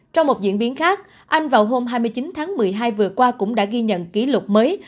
trong một diễn biến khác anh vào hôm hai mươi chín tháng một mươi hai vừa qua cũng đã ghi nhận kỷ lục mới